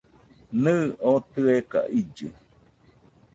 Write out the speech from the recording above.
Nɨɨ, oo tɨeka illɨ .